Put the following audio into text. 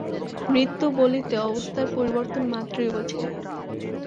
মৃত্যু বলিতে অবস্থার পরিবর্তন মাত্রই বুঝায়।